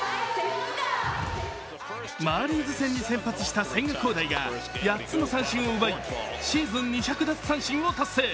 マーリンズ戦に先発した千賀滉大が８つの三振を奪い、シーズン２００奪三振を達成。